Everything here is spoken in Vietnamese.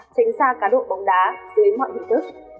tránh xa cá độ bóng đá dưới mọi hình thức